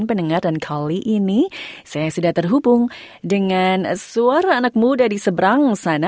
pendengar dan kali ini saya sudah terhubung dengan suara anak muda di seberang sana